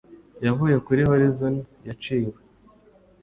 yavuye kuri horizon yaciwe